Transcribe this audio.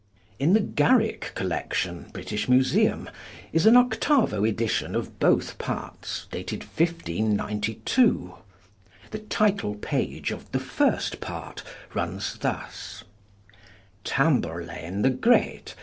In the Garrick Collection, British Museum, is an 8vo edition of both PARTS dated 1592: the title page of THE FIRST PART runs thus; Tamburlaine the Great.